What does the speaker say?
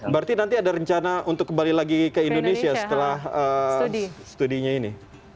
berarti nanti ada rencana untuk kembali lagi ke indonesia setelah studinya ini